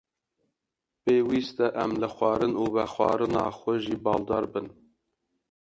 Pêwîst e em li xwarin û vexwarina xwe jî baldar bin.